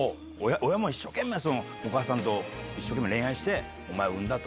親も一生懸命お母さんと恋愛してお前を産んだ。